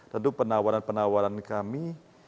tentu penawaran penawaran kami